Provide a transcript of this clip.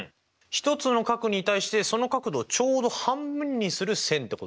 一つの角に対してその角度をちょうど半分にする線ってことですよね。